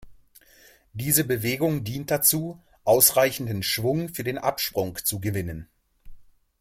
Diese Bewegung dient dazu, ausreichenden Schwung für den Absprung zu gewinnen.